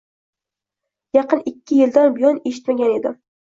Yaqin ikki yildan buyon eshitmagan edim.